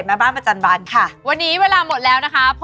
สำหรับผู้ชายในฝันก็เราหมดเวลาแล้วไง